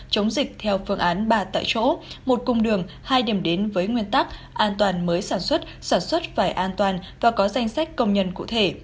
chống dịch theo phương án ba tại chỗ một cung đường hai điểm đến với nguyên tắc an toàn mới sản xuất sản xuất phải an toàn và có danh sách công nhân cụ thể